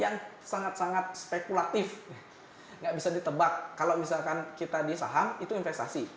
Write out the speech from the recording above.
yang sangat sangat spekulatif nggak bisa ditebak kalau misalkan kita di saham itu investasi